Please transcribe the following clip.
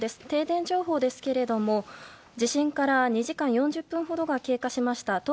停電情報ですが地震から２時間４０分ほどが経過しました。